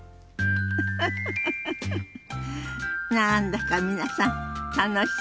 フフフ何だか皆さん楽しそうね。